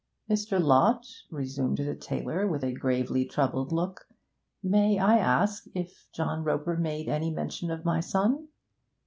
'Mr. Lott,' resumed the tailor, with a gravely troubled look, 'may I ask if John Roper made any mention of my son?'